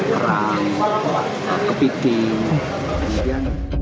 perang kepiting kemudian